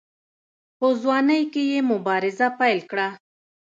په ځوانۍ کې یې مبارزه پیل کړه.